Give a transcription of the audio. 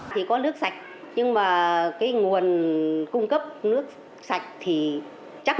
thì có nước sạch nhưng mà cái nguồn cung cấp nước sạch thì chắc là không có nguồn nước sạch